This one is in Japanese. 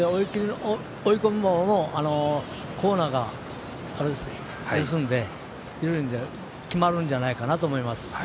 追い込みも、コーナーで決まるんじゃないかなと思います。